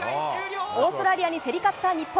オーストラリアに競り勝った日本。